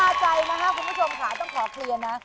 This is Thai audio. มันจะเป็นเรื่องพลาดใจนะครับคุณผู้ชมค่ะต้องขอเคลียร์นะ